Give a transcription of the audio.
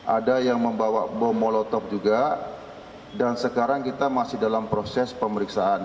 ada yang membawa bom molotov juga dan sekarang kita masih dalam proses pemeriksaan